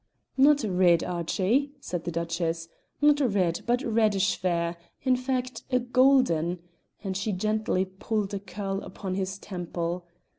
"Not red, Archie," said the Duchess, "not red, but reddish fair; in fact, a golden;" and she gently pulled a curl upon his temple.